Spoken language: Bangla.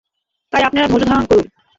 তাই আপনারা ধৈর্যধারণ করুন!